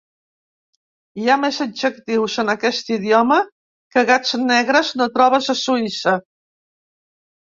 Hi ha més adjectius en aquest idioma que gats negres no trobes a Suïssa.